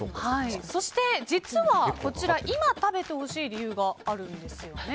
そして、実は今食べてほしい理由があるんですよね。